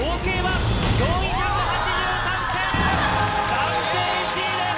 暫定１位です！